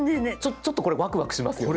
ちょっとこれわくわくしますよね。